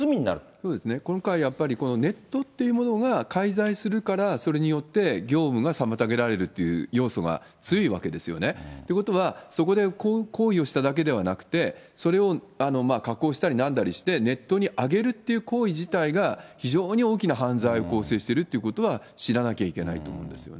そうですね、今回やっぱり、ネットっていうものが介在するから、それによって業務が妨げられるっていう要素が強いわけですよね。ということは、そこで行為をしただけではなくて、それを加工したりなんだりして、ネットに上げるっていう行為自体が、非常に大きな犯罪を構成してるってことは知らなきゃいけないと思うんですよね。